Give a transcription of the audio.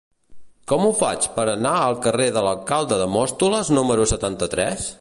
Com ho faig per anar al carrer de l'Alcalde de Móstoles número setanta-tres?